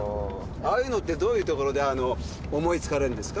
ああいうのってどういうところで思いつかれんですか？